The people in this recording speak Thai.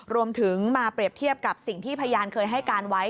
รวมถึงมาเปรียบเทียบกับสิ่งที่พยานเคยให้การไว้